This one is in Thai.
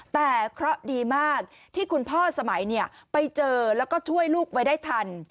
แต่เคราะห์ดีมากที่คุณพ่อสมัยไปเจอแล้วก็ช่วยลูกไว้ได้ทัน